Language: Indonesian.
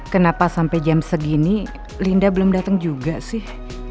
kenapa sampai jam segini linda belum datang juga sih